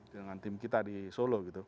dengan tim kita di solo gitu